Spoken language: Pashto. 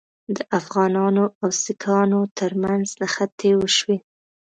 د افغانانو او سیکهانو ترمنځ نښتې وشوې.